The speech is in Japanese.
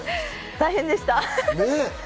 大変でした。